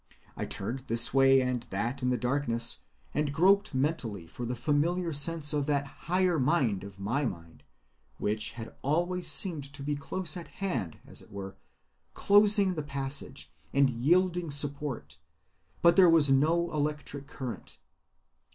I turned this way and that in the darkness, and groped mentally for the familiar sense of that higher mind of my mind which had always seemed to be close at hand as it were, closing the passage, and yielding support, but there was no electric current.